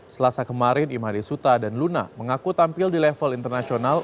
selasa kemarin imhari suta dan luna mengaku tampil di level internasional